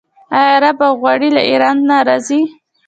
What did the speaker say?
آیا رب او غوړي له ایران نه راځي؟